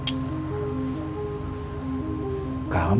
kita bubar aja semua